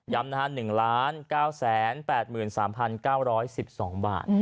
ย้ำนะคะ๑๙๘๓๙๑๒บาท